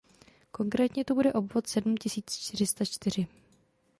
Konkrétně to bude obvod sedmtisíc čtyřistačtyři